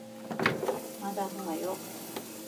まだかよ